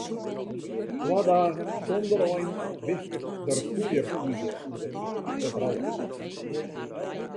Twa dagen sonder ein wisket der poeiersnie oer de wite wrâld.